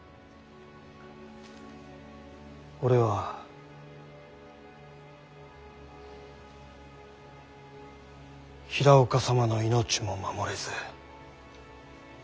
俺は平岡様の命も守れず。